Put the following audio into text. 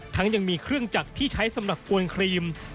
ยังมีเครื่องจักรที่ใช้สำหรับกวนครีม